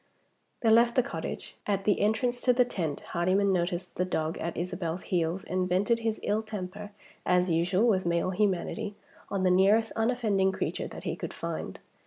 They left the cottage. At the entrance to the tent, Hardyman noticed the dog at Isabel's heels, and vented his ill temper, as usual with male humanity, on the nearest unoffending creature that he could find.